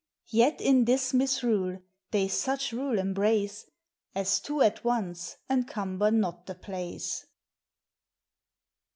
Yet in this misrule, they such rule embrace, As two at once encumber not the place.